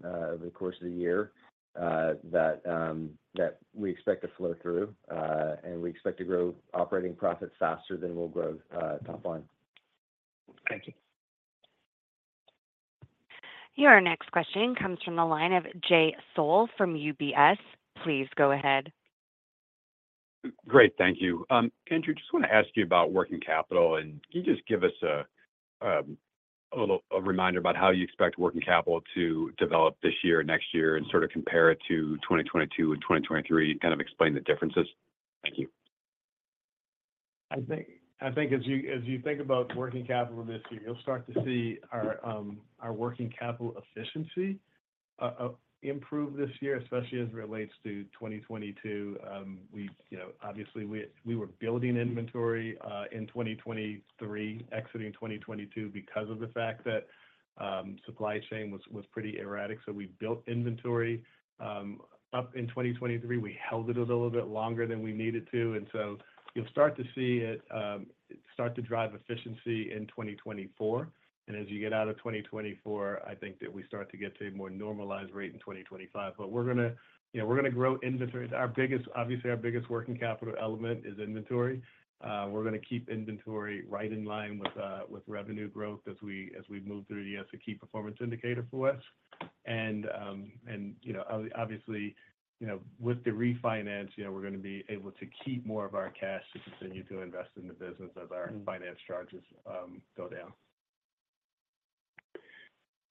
over the course of the year, that, that we expect to flow through. And we expect to grow operating profits faster than we'll grow, top line. Thank you. Your next question comes from the line of Jay Sole from UBS. Please go ahead. Great. Thank you. Andrew, just wanna ask you about working capital. Can you just give us a little reminder about how you expect working capital to develop this year and next year, and sort of compare it to 2022 and 2023, kind of explain the differences? Thank you. I think as you think about working capital this year, you'll start to see our our working capital efficiency improve this year, especially as it relates to 2022. We, you know, obviously we were building inventory in 2023, exiting 2022, because of the fact that supply chain was pretty erratic. So we built inventory. Up in 2023, we held it a little bit longer than we needed to, and so you'll start to see it start to drive efficiency in 2024. And as you get out of 2024, I think that we start to get to a more normalized rate in 2025. But we're gonna. You know, we're gonna grow inventory. Our biggest obviously, our biggest working capital element is inventory. We're gonna keep inventory right in line with revenue growth as we move through the year. It's a key performance indicator for us. And, you know, obviously, you know, with the refinance, you know, we're gonna be able to keep more of our cash to continue to invest in the business as our finance charges go down.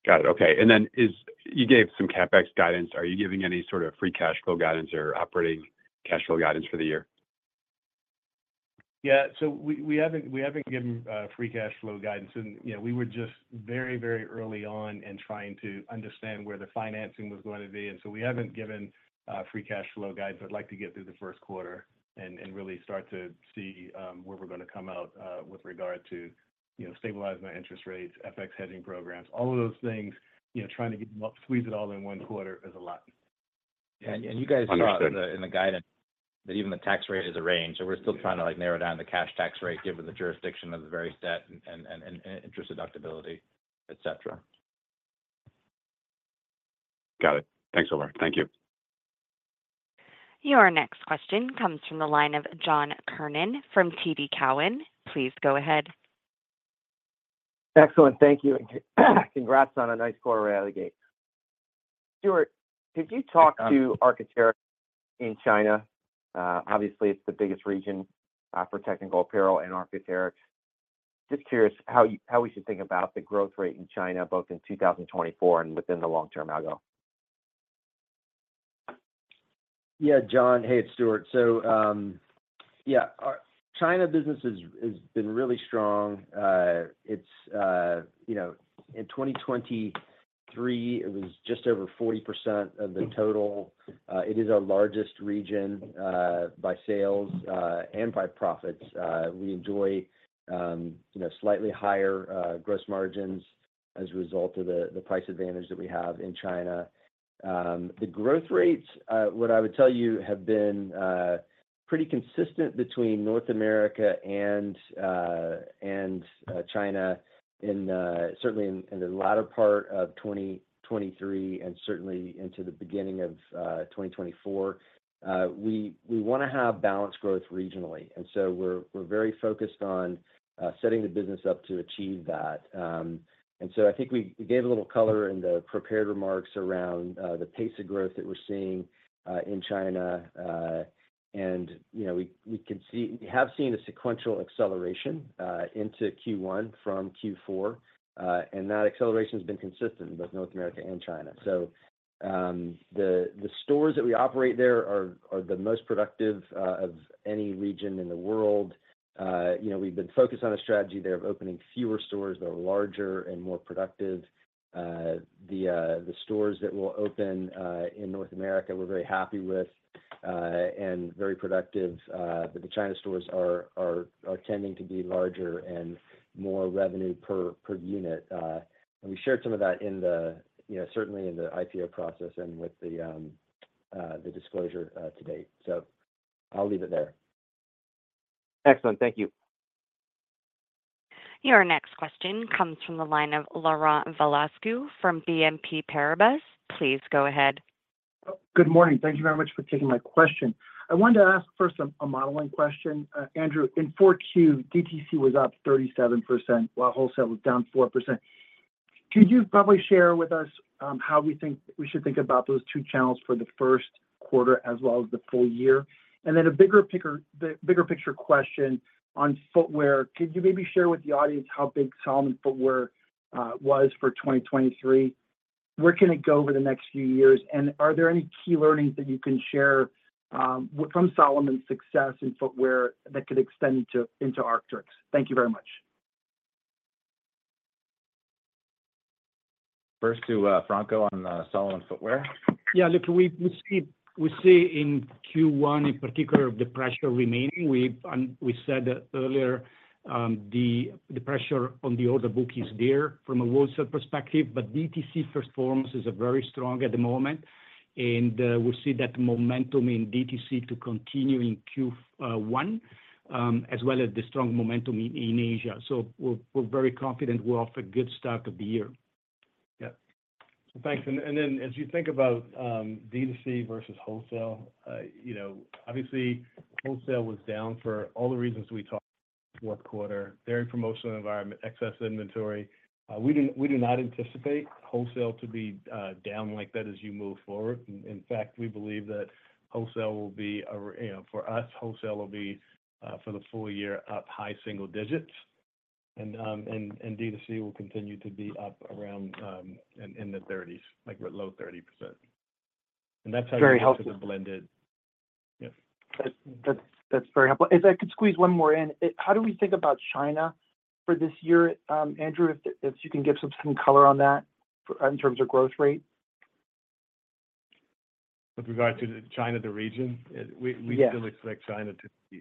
Got it. Okay. And then is you gave some CapEx guidance. Are you giving any sort of free cash flow guidance or operating cash flow guidance for the year? Yeah. So we haven't given free cash flow guidance. And, you know, we were just very, very early on in trying to understand where the financing was going to be, and so we haven't given free cash flow guidance. I'd like to get through the first quarter and really start to see where we're gonna come out with regard to, you know, stabilizing our interest rates, FX hedging programs, all of those things, you know, trying to get them up. Squeeze it all in one quarter is a lot. You guys saw- Understood in the guidance, that even the tax rate is a range. So we're still trying to, like, narrow down the cash tax rate given the jurisdiction of the very debt and interest deductibility, et cetera. Got it. Thanks so much. Thank you. Your next question comes from the line of John Kernan from TD Cowen. Please go ahead. Excellent. Thank you, and congrats on a nice quarter out of the gate. Stuart, could you talk to Arc'teryx in China? Obviously, it's the biggest region for technical apparel and Arc'teryx. Just curious how we should think about the growth rate in China, both in 2024 and within the long term ago. Yeah, John. Hey, it's Stuart. So, yeah, our China business has been really strong. It's, you know, in 2023, it was just over 40% of the total. It is our largest region, by sales, and by profits. We enjoy, you know, slightly higher, gross margins as a result of the, the price advantage that we have in China. The growth rates, what I would tell you, have been, pretty consistent between North America and China, and, certainly in the latter part of 2023, and certainly into the beginning of, 2024. We wanna have balanced growth regionally, and so we're very focused on setting the business up to achieve that. And so I think we gave a little color in the prepared remarks around the pace of growth that we're seeing in China. And, you know, we can see we have seen a sequential acceleration into Q1 from Q4, and that acceleration has been consistent in both North America and China. So, the stores that we operate there are the most productive of any region in the world. You know, we've been focused on a strategy there of opening fewer stores that are larger and more productive. The stores that we'll open in North America, we're very happy with, and very productive. But the China stores are tending to be larger and more revenue per unit. We shared some of that in the, you know, certainly in the IPO process and with the disclosure to date. So I'll leave it there. Excellent. Thank you. Your next question comes from the line of Laurent Vasilescu from BNP Paribas. Please go ahead. Good morning. Thank you very much for taking my question. I wanted to ask first a modeling question. Andrew, in Q4, DTC was up 37%, while wholesale was down 4%. Could you probably share with us how we think we should think about those two channels for the first quarter as well as the full year? And then a bigger picture question on footwear. Could you maybe share with the audience how big Salomon footwear was for 2023? Where can it go over the next few years, and are there any key learnings that you can share from Salomon's success in footwear that could extend into Arc'teryx? Thank you very much. First to Franco on Salomon footwear. Yeah, look, we see in Q1, in particular, the pressure remaining. We've said earlier, the pressure on the order book is there from a wholesale perspective, but DTC performance is a very strong at the moment, and we see that momentum in DTC to continue in Q1, as well as the strong momentum in Asia. So we're very confident we're off a good start of the year. Yeah. Thanks. And, and then as you think about, DTC versus wholesale, you know, obviously, wholesale was down for all the reasons we talked fourth quarter, very promotional environment, excess inventory. We do, we do not anticipate wholesale to be, down like that as you move forward. In fact, we believe that wholesale will be a... You know, for us, wholesale will be, for the full year, up high single digits, and, and, and DTC will continue to be up around, in, in the 30s, like we're low 30%. And that's how- Very helpful the blended. Yes. That's very helpful. If I could squeeze one more in. How do we think about China for this year? Andrew, if you can give some color on that for in terms of growth rate. With regard to China, the region? Yeah. We still expect China to be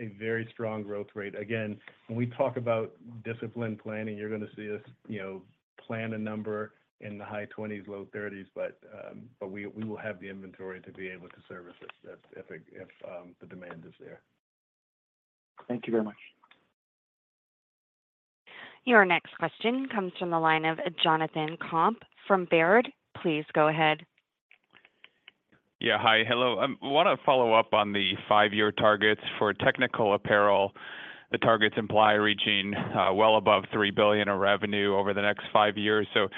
a very strong growth rate. Again, when we talk about disciplined planning, you're gonna see us, you know, plan a number in the high 20s%-low 30s%, but we will have the inventory to be able to service this, if the demand is there. Thank you very much. Your next question comes from the line of Jonathan Komp from Baird. Please go ahead. Yeah, hi. Hello. I wanna follow up on the five-year targets for technical apparel. The targets imply reaching, well above $3 billion of revenue over the next five years. So,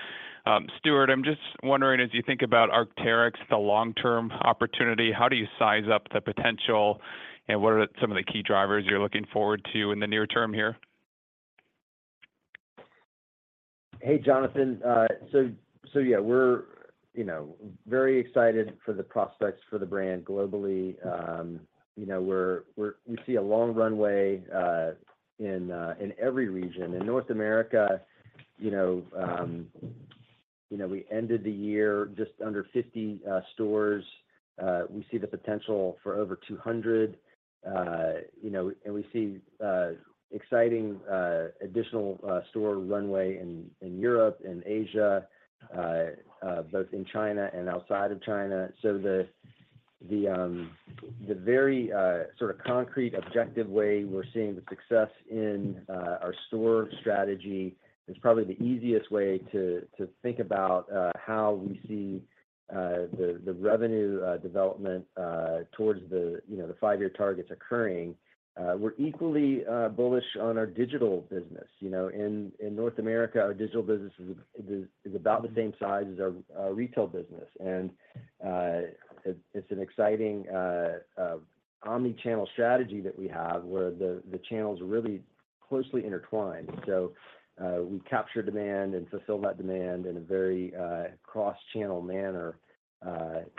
Stuart, I'm just wondering, as you think about Arc'teryx, the long-term opportunity, how do you size up the potential, and what are some of the key drivers you're looking forward to in the near term here? Hey, Jonathan. So yeah, we're, you know, very excited for the prospects for the brand globally. You know, we see a long runway in every region. In North America, you know, you know, we ended the year just under 50 stores. We see the potential for over 200, you know, and we see exciting additional store runway in Europe and Asia, both in China and outside of China. So the very sort of concrete, objective way we're seeing the success in our store strategy is probably the easiest way to think about how we see the revenue development towards the five-year targets occurring. We're equally bullish on our digital business. You know, in North America, our digital business is about the same size as our retail business. And, it's an exciting omni-channel strategy that we have, where the channels are really closely intertwined. So, we capture demand and fulfill that demand in a very cross-channel manner,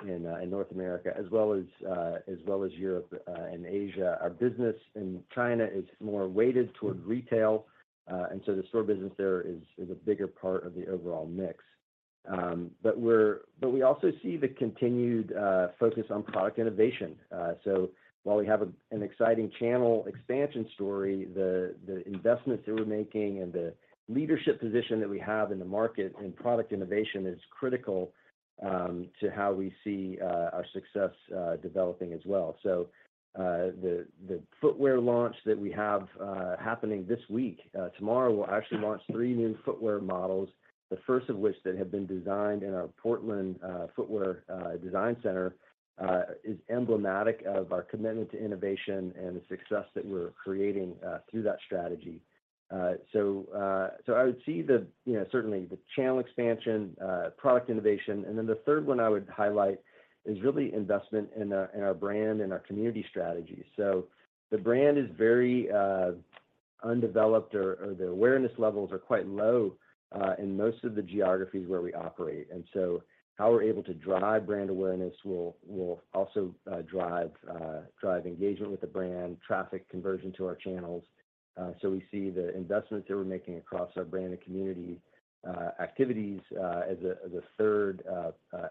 in North America, as well as Europe and Asia. Our business in China is more weighted toward retail, and so the store business there is a bigger part of the overall mix. But we also see the continued focus on product innovation. So while we have an exciting channel expansion story, the investments that we're making and the leadership position that we have in the market and product innovation is critical to how we see our success developing as well. So, the footwear launch that we have happening this week. Tomorrow, we'll actually launch three new footwear models, the first of which that have been designed in our Portland footwear design center is emblematic of our commitment to innovation and the success that we're creating through that strategy. So, so I would see the, you know, certainly the channel expansion, product innovation, and then the third one I would highlight is really investment in our brand and our community strategy. So the brand is very undeveloped, or the awareness levels are quite low in most of the geographies where we operate. And so how we're able to drive brand awareness will also drive engagement with the brand, traffic conversion to our channels. So we see the investments that we're making across our brand and community activities as a third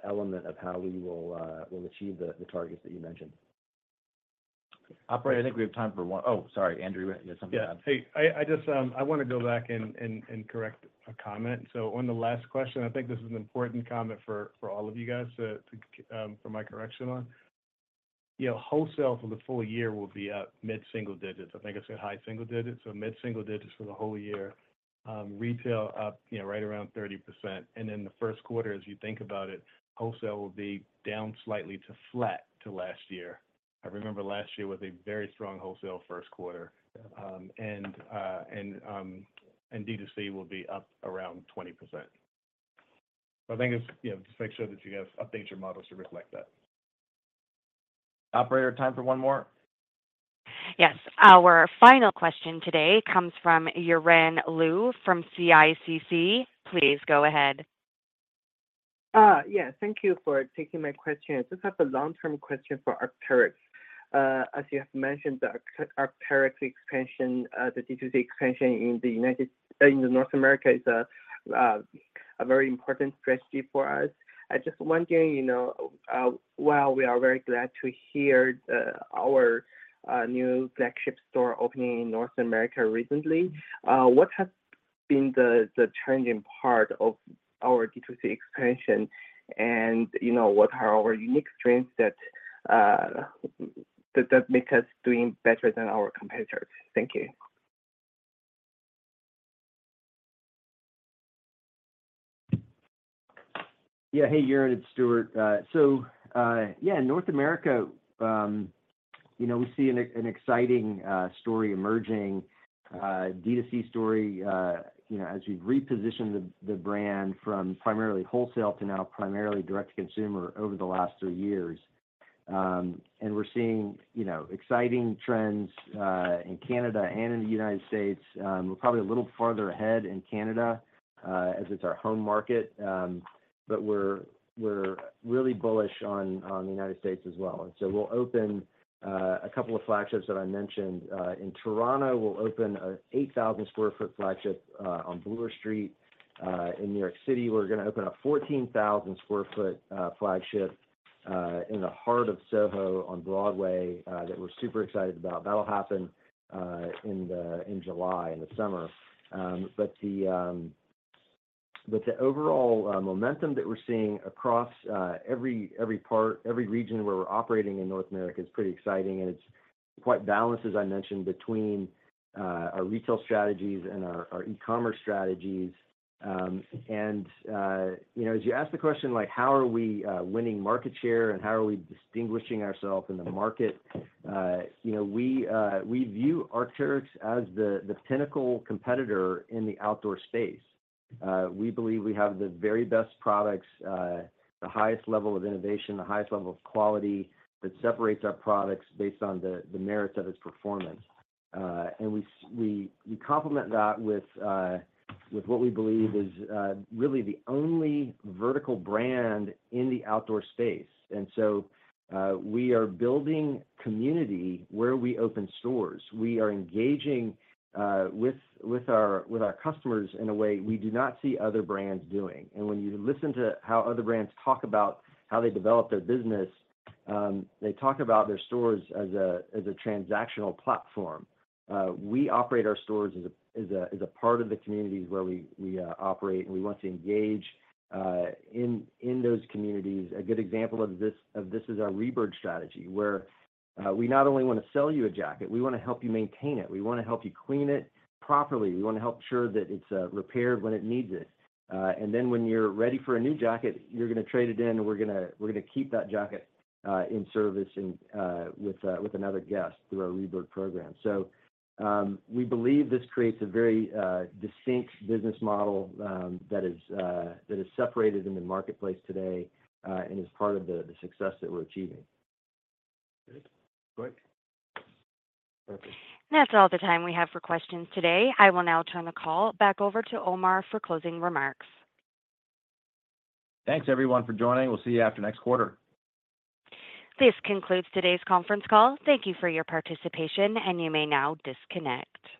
element of how we will achieve the targets that you mentioned. Operator, I think we have time for one- Oh, sorry, Andrew, you had something to add? Yeah. Hey, I just want to go back and correct a comment. So on the last question, I think this is an important comment for all of you guys to, for my correction on. Yeah, wholesale for the full year will be up mid-single digits. I think I said high single digits, so mid-single digits for the whole year. Retail up, you know, right around 30%. And then the first quarter, as you think about it, wholesale will be down slightly to flat to last year. I remember last year was a very strong wholesale first quarter. And DTC will be up around 20%. So I think it's, you know, just make sure that you guys update your models to reflect that. Operator, time for one more? Yes. Our final question today comes from Yiran Lu from CICC. Please go ahead. Yeah, thank you for taking my question. Just have a long-term question for Arc'teryx. As you have mentioned, the Arc'teryx expansion, the DTC expansion in North America is a very important strategy for us. I just wondering, you know, while we are very glad to hear our new flagship store opening in North America recently, what has been the challenging part of our DTC expansion? And, you know, what are our unique strengths that make us doing better than our competitors? Thank you. Yeah. Hey, Yiran, it's Stuart. So, yeah, North America, you know, we see an exciting story emerging, DTC story, you know, as we've repositioned the brand from primarily wholesale to now primarily direct-to-consumer over the last three years. And we're seeing, you know, exciting trends in Canada and in the United States. We're probably a little farther ahead in Canada, as it's our home market. But we're really bullish on the United States as well. So we'll open a couple of flagships that I mentioned. In Toronto, we'll open an 8,000 sq ft flagship on Bloor Street. In New York City, we're gonna open a 14,000 sq ft flagship in the heart of SoHo on Broadway that we're super excited about. That'll happen in July, in the summer. But the overall momentum that we're seeing across every part, every region where we're operating in North America is pretty exciting, and it's quite balanced, as I mentioned, between our retail strategies and our e-commerce strategies. And you know, as you ask the question, like, how are we winning market share, and how are we distinguishing ourselves in the market? You know, we view Arc'teryx as the pinnacle competitor in the outdoor space. We believe we have the very best products, the highest level of innovation, the highest level of quality that separates our products based on the merits of its performance. We complement that with what we believe is really the only vertical brand in the outdoor space. And so, we are building community where we open stores. We are engaging with our customers in a way we do not see other brands doing. And when you listen to how other brands talk about how they develop their business, they talk about their stores as a transactional platform. We operate our stores as a part of the communities where we operate, and we want to engage in those communities. A good example of this is our ReBIRD strategy, where we not only want to sell you a jacket, we want to help you maintain it. We want to help you clean it properly. We want to help ensure that it's repaired when it needs it. And then when you're ready for a new jacket, you're gonna trade it in, and we're gonna keep that jacket in service and with another guest through our ReBIRD program. So, we believe this creates a very distinct business model that is separated in the marketplace today and is part of the success that we're achieving. Great. That's all the time we have for questions today. I will now turn the call back over to Omar for closing remarks. Thanks, everyone, for joining. We'll see you after next quarter. This concludes today's conference call. Thank you for your participation, and you may now disconnect.